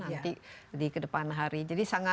nanti di kedepan hari jadi sangat